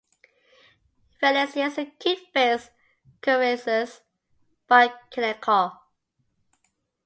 Felicia is a cute-faced, curvaceous "bakeneko".